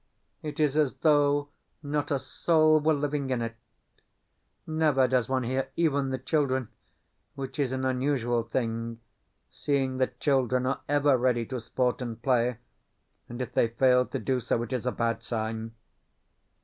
It is as though not a soul were living in it. Never does one hear even the children which is an unusual thing, seeing that children are ever ready to sport and play, and if they fail to do so it is a bad sign.